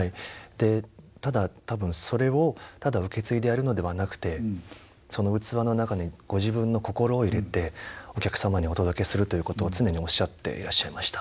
でただ多分それをただ受け継いでやるのではなくてその器の中にご自分の心を入れてお客様にお届けするということを常におっしゃっていらっしゃいました。